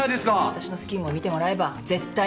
わたしのスキームを見てもらえば絶対に勝てる。